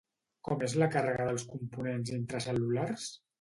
Com és la càrrega dels components intracel·lulars?